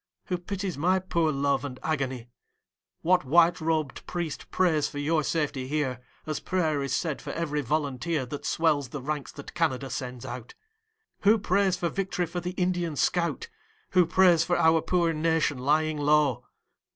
Who pities my poor love and agony? What white robed priest prays for your safety here, As prayer is said for every volunteer That swells the ranks that Canada sends out? Who prays for vict'ry for the Indian scout? Who prays for our poor nation lying low?